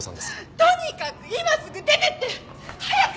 とにかく今すぐ出てって！早く！